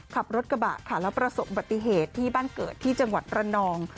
ขับรถกระบะค่ะแล้วประสบบัติเหตุที่บ้านเกิดที่จังหวัดระนอง